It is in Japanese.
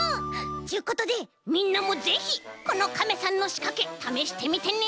ちゅうことでみんなもぜひこのカメさんのしかけためしてみてね。